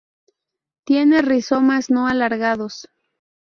Tiene rizomas no alargados.